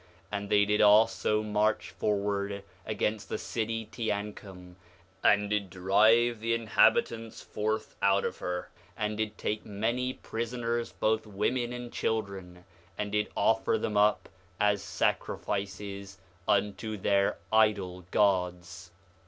4:14 And they did also march forward against the city Teancum, and did drive the inhabitants forth out of her, and did take many prisoners both women and children, and did offer them up as sacrifices unto their idol gods.